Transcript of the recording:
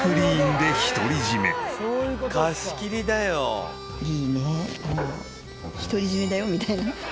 もう独り占めだよみたいな。